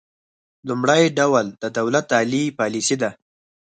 لومړی ډول د دولت عالي پالیسي ده